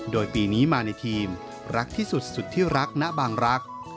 โดยปีนี้มาในทีมรักที่สุดสุดที่รักณบางรัก